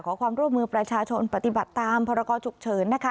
ขอความร่วมมือประชาชนปฏิบัติตามพรกรฉุกเฉินนะคะ